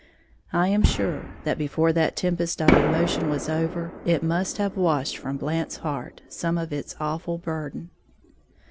I am sure that before that tempest of emotion was over, it must have washed from Blant's heart some of its awful burden.